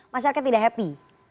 masyarakat tidak happy